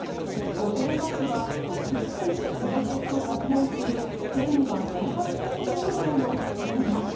御殿場市はコシヒカリしかないと発言し、県には１８００件以上の苦情が。